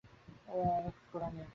এ আর এক রকমের গোঁড়ামি।